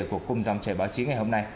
của cung dòng trẻ báo chí ngày hôm nay